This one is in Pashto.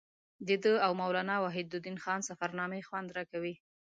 د ده او مولانا وحیدالدین خان سفرنامې خوند راکوي.